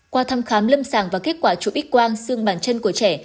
qua thăm khám lâm sàng và kết quả chủ ích quang xương bàn chân của trẻ